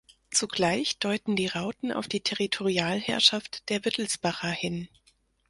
Zugleich deuten die Rauten auf die Territorialherrschaft der Wittelsbacher hin.